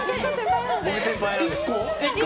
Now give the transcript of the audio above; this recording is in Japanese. １個？